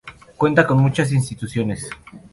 Cuenta con muchas Instituciones.